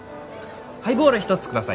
ハイボール１つください。